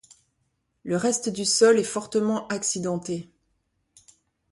Le reste du sol est fortement accidenté.